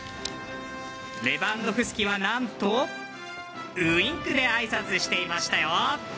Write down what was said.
レバンドフスキは何とウインクであいさつしていましたよ。